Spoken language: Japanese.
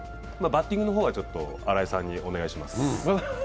バッティングの方はちょっと新井さんにお願いします。